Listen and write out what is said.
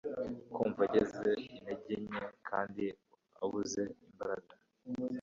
kumva agize intege nke kandi abuze imbaraga